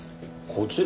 こちら。